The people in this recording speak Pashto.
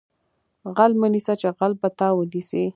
غل مه نیسه چې غل به تا ونیسي